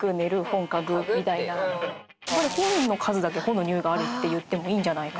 本の数だけ本の匂いがあるって言ってもいいんじゃないか。